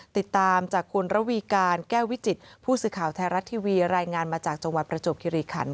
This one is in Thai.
ติดตามจากคุณระวีการแก้ววิจิตผู้สื่อข่าวไทยรัฐทีวีรายงานมาจากจังหวัดประจวบคิริขัน